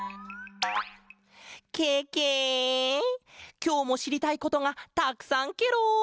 きょうもしりたいことがたくさんケロ！